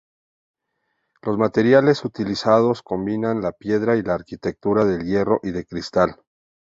Los materiales utilizados combinan la piedra y la arquitectura del hierro y de cristal.